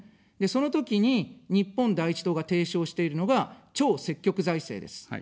そのときに、日本第一党が提唱しているのが、超積極財政です。